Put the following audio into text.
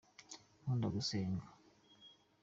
nkunda gusenga.